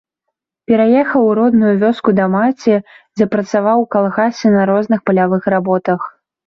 Пераехаў у родную вёску да маці, дзе працаваў у калгасе на розных палявых работах.